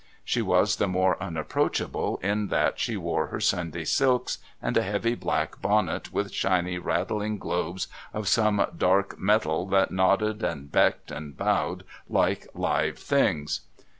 She was the more unapproachable in that she wore her Sunday silks and a heavy black bonnet with shiny rattling globes of some dark metal that nodded and becked and bowed like live things.